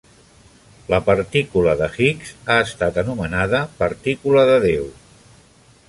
La partícula de Higgs ha estat anomenada partícula de Déu.